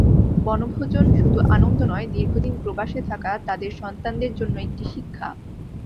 বনভোজন শুধু আনন্দ নয়, দীর্ঘদিন প্রবাসে থাকা তাঁদের সন্তানদের জন্য একটি শিক্ষা।